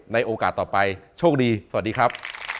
โอกาสต่อไปโชคดีสวัสดีครับ